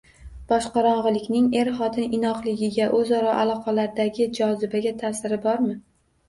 Boshqorong‘ilikning er-xotin inoqligiga, o‘zaro aloqalaridagi jozibaga ta’siri bormi?